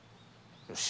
よし。